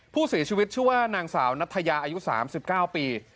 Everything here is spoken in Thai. ผู้เสียชีวิตชื่อว่านางสาวนัทยาอายุ๓๙ปี